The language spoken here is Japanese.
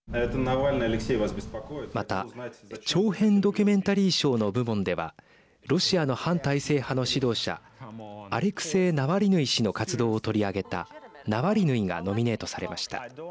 また、長編ドキュメンタリー賞の部門ではロシアの反体制派の指導者アレクセイ・ナワリヌイ氏の活動を取り上げたナワリヌイがノミネートされました。